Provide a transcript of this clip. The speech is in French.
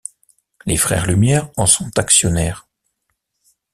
Les frères Lumière en sont actionnaires.